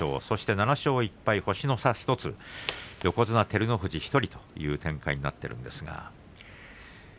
そして７勝１敗、星の差１つ横綱照ノ富士１人という展開になっています。